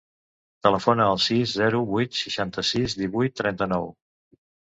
Telefona al sis, zero, vuit, seixanta-sis, divuit, trenta-nou.